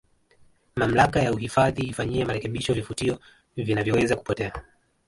mamlaka ya uhifadhi ifanyie marekebisho vivutio vinavyoweza kupotea